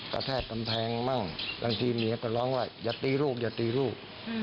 กระแทกกำแพงมั่งหลังทีเมียก็ร้องไว้อย่าตีรูปอย่าตีรูป